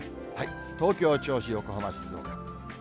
東京、銚子、横浜、静岡。